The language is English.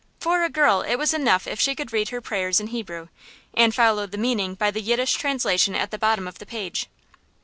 For a girl it was enough if she could read her prayers in Hebrew, and follow the meaning by the Yiddish translation at the bottom of the page.